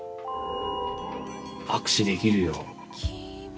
握手できるよ。